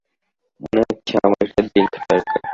মনে হচ্ছে আমার একটা ড্রিংক দরকার।